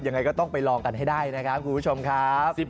ยังไงก็ต้องไปลองกันให้ได้นะครับคุณผู้ชมครับ